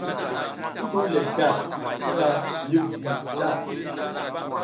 I ɓuw le gar kira piyik di ta.